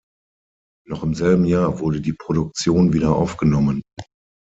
Noch im selben Jahr wurde die Produktion wieder aufgenommen.